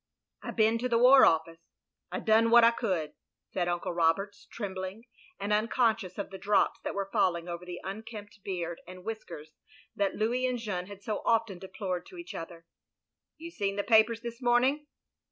"I been to the War Office. I done what I could," said Uncle Roberts, trembling, and im conscious of the drops that weire falling over the unkempt beard and whiskers that Louis and Jeanne had so often deplored to each other. " You seen the papers this morning?"